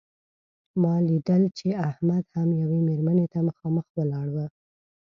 ما لیدل چې احمد هم یوې مېرمنې ته مخامخ ولاړ و.